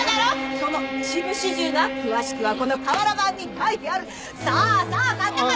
その一部始終が詳しくはこの瓦版に書いてあるさぁさぁ買った買った！